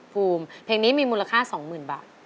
ภูมิเพลงนี้มีมูลค่าสองหมื่นบาท